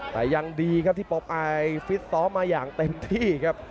แต่ยังดีครับที่ปอายฟิตซ้อมมาอย่างเต็มที่ครับ